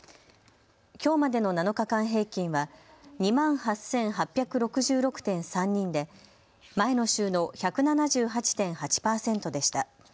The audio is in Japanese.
きょうまでの７日間平均は２万８８６６．３人で前の週の１７８．８％でした。